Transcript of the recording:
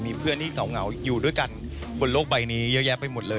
มีเพื่อนที่เหงาอยู่ด้วยกันบนโลกใบนี้เยอะแยะไปหมดเลย